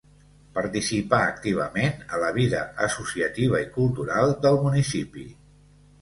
Participà activament a la vida associativa i cultural del municipi.